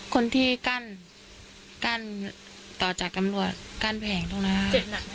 คนที่กั้นต่อจากตำรวจกั้นแผงตรงนั้น